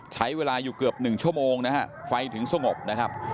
ใช้เวลาอยู่เกือบ๑ชั่วโมงนะฮะไฟถึงสงบนะครับ